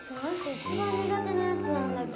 一番にが手なやつなんだけど。